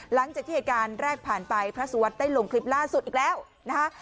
หลังจากที่เหตุการณ์แรกผ่านไปพระสุวัสดิ์ได้ลงคลิปล่าสุดอีกแล้วนะคะ